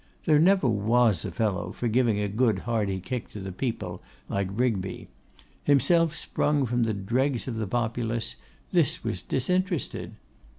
There never was a fellow for giving a good hearty kick to the people like Rigby. Himself sprung from the dregs of the populace, this was disinterested.